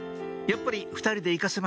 やっぱり２人で行かせますか？